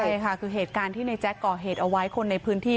ใช่ค่ะคือเหตุการณ์ที่ในแจ๊คก่อเหตุเอาไว้คนในพื้นที่